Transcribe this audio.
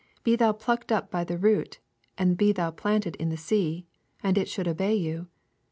Be thou plucked up bv the root, ana be thou planted in the sea; and it should obey vou.